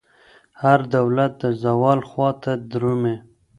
هر دولت د زوال خواته درومي.